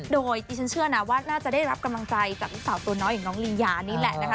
โดยดิฉันเชื่อนะว่าน่าจะได้รับกำลังใจจากลูกสาวตัวน้อยอย่างน้องลียานี่แหละนะคะ